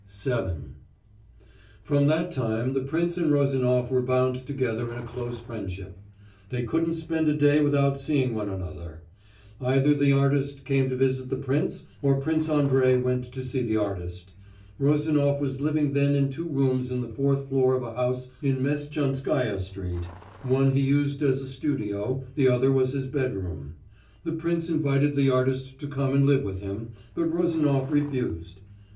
VII From that time the prince and Rozanof were bound together in a close friendship. They couldn't spend a day without seeing one another. Either the artist came to visit the prince or Prince Andrey went to see the artist. Rozanof was living then in two rooms on the fourth floor of a house in Mestchanskaya Street one he used as a studio, the other was his bedroom. The prince invited the artist to come and live with him, but Rozanof refused.